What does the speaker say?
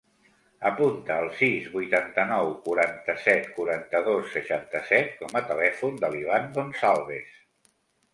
Apunta el sis, vuitanta-nou, quaranta-set, quaranta-dos, seixanta-set com a telèfon de l'Ivan Gonzalvez.